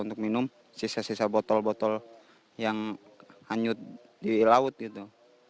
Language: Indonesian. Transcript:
untuk minum sisa sisa botol botol yang hanyut di laut gitu